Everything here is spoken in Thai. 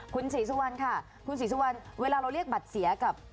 คุณศรีสุวรรณค่ะคุณศรีสุวรรณเวลาเราเรียกบัตรเสียกับ